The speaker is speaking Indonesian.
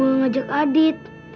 ibu ngajak adit